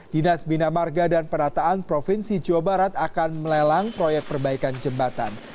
dinas bina marga dan penataan provinsi jawa barat akan melelang proyek perbaikan jembatan